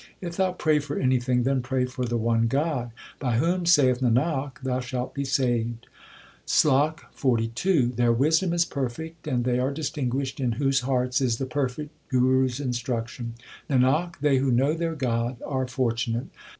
If thou pray for anything, then pray for the one God, By whom, saith Nanak, thou shalt be saved. SLOK XLII Their wisdom is perfect and they are distinguished in whose hearts is the perfect Guru s instruction ; Nanak, they who know their God are fortunate.